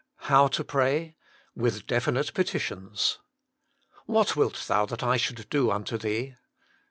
now TO PRAY. Wiiilj fcrBnib |lctitions " What wilt thou that I should do unto thee?